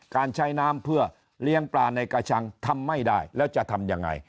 การใช้น้ำเพื่อเลี้ยงปลาในกระชังทำไม่ได้แล้วจะทำยังไง